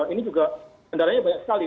ini juga kendalanya banyak sekali